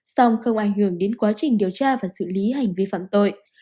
song không ảnh hưởng đến quá trình điều tra và xử lý hành vi phạm tội